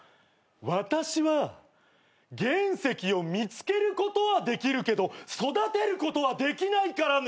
私は原石を見つけることはできるけど育てることはできないからね！